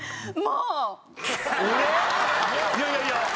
いやいやいや。